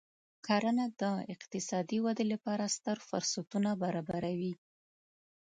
کرنه د اقتصادي ودې لپاره ستر فرصتونه برابروي.